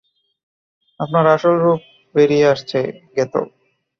আপনার আসল রুপ বেরিয়ে আসছে, গেতো।